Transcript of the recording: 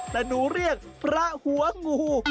แต่หนูเรียกพระหัวงู